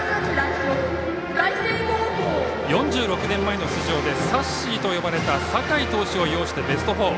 ４６年前の出場でさっしーと呼ばれた酒井投手を擁してベスト４。